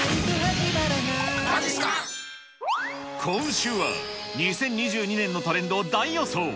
今週は、２０２２年のトレンドを大予想。